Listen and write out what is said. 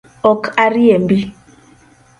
Ok a riembi.